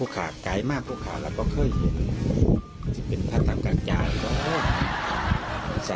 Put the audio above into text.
เขาจะปั้นดีปั้นงานนะ